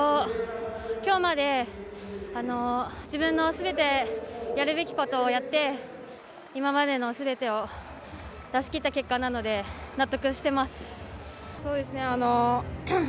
今日まで、自分のすべて、やるべきことをやって今までのすべてを出し切った結果なので納得しています。